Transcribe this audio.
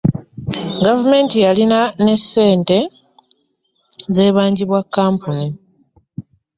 Gavumenti yalina ne ssente z'ebangibwa kkampuni